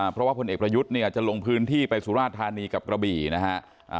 เพราะว่าพลเอกประยุทธ์เนี่ยจะลงพื้นที่ไปสุราชธานีกับกระบี่นะฮะ